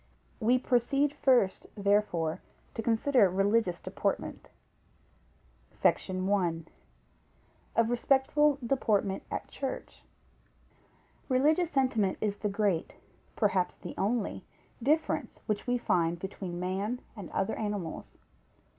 We proceed first, therefore, to consider religious deportment. SECTION I. Of respectful deportment at Church. Religious sentiment is the great, perhaps the only difference which we find between man and other animals.